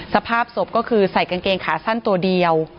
สภาพศพก็คือใส่กางเกงขาสั้นตัวเดียว